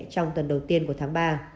trong tuần đầu tiên của tháng ba